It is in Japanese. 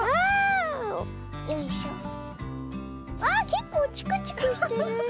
けっこうチクチクしてる。